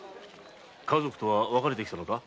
家族とは別れてきたのか？